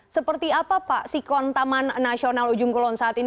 seperti apa pak sikon taman nasional ujung kulon saat ini